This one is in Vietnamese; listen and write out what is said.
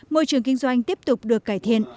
môi trường kinh doanh tiếp tục được cải thiện